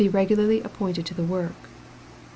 regularly appointed to the work. St.